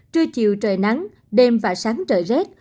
trưa chiều trời nắng đêm và sáng trời rết